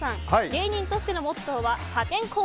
芸人としてのモットーは破天荒。